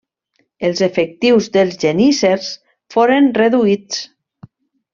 Els efectius dels geníssers foren reduïts.